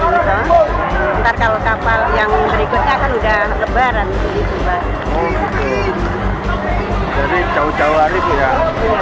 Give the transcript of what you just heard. ntar kalau kapal yang berikutnya akan sudah lebaran